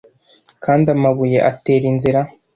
Kandi amabuye atera inzira,